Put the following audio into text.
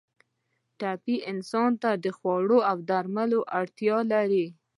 ټپي انسان د خوړو او درملو اړتیا لري.